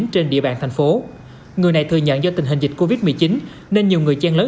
trên địa bàn thành phố người này thừa nhận do tình hình dịch covid một mươi chín nên nhiều người chen lấn